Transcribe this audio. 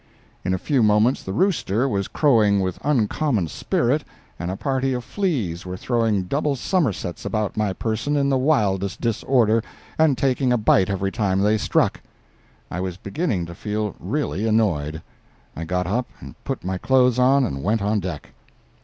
In a few moments the rooster was crowing with uncommon spirit and a party of fleas were throwing double summersets about my person in the wildest disorder, and taking a bite every time they struck. I was beginning to feel really annoyed. I got up and put my clothes on and went on deck.